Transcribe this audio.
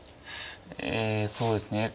えそうですね。